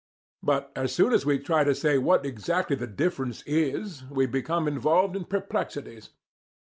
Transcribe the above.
But as soon as we try to say what exactly the difference is, we become involved in perplexities.